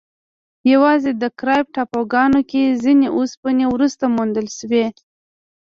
یواځې کارایب ټاپوګانو کې ځینې اوسپنې وروسته موندل شوې.